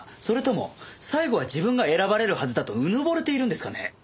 それとも最後は自分が選ばれるはずだとうぬぼれているんですかね？